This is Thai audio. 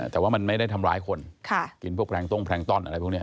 แต่ว่ามันไม่ได้ทำร้ายคนกินพวกแพรงต้งแพลงต้อนอะไรพวกนี้